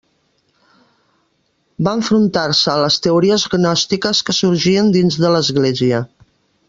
Va enfrontar-se a les teories gnòstiques que sorgien dins de l'Església.